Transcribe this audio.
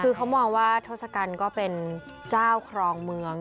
คือเขามองว่าทศกัณฐ์ก็เป็นเจ้าครองเมือง